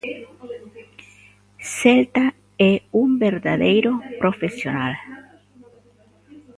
Celta: É un verdadeiro profesional.